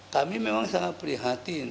kami memang sangat prihatin